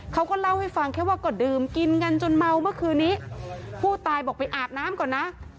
เขาก็เล่าให้ฟังแค่ว่าก็ดื่มกินกันจนเมาเมื่อคืนนี้ผู้ตายบอกไปอาบน้ำก่อนนะ